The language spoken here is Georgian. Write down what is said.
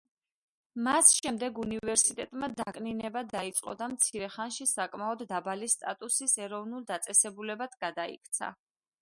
მას შემდეგ უნივერსიტეტმა დაკნინება დაიწყო და მცირე ხანში საკმაოდ დაბალი სტატუსის ეროვნულ დაწესებულებად გადაიქცა.